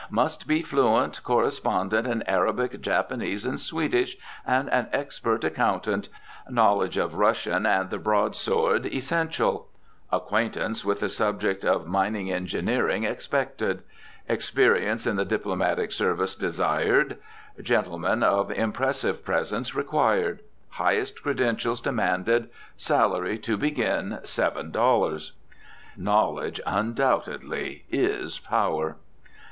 Must be fluent correspondent in Arabic, Japanese, and Swedish, and an expert accountant. Knowledge of Russian and the broadsword essential. Acquaintance with the subject of mining engineering expected. Experience in the diplomatic service desired. Gentleman of impressive presence required. Highest credentials demanded. Salary, to begin, seven dollars." Knowledge, undoubtedly, is power!